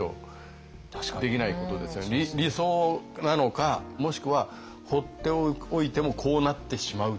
要はでも理想なのかもしくは放っておいてもこうなってしまうっていう。